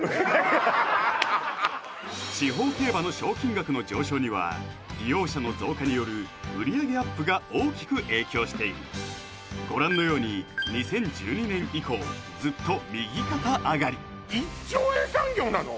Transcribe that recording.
地方競馬の賞金額の上昇には利用者の増加による売り上げアップが大きく影響しているご覧のように２０１２年以降ずっと右肩上がり１兆円産業なの！？